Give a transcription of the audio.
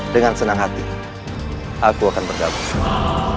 dengan senang hati aku akan bergabung semua